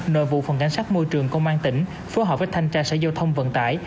nội vụ phòng cảnh sát môi trường công an tỉnh phối hợp với thanh tra sở giao thông vận tải